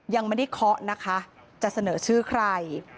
ยังไม่ได้เคาะนะคะจะเสนอชื่อใคร